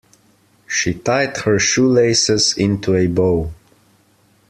She tied her shoelaces into a bow.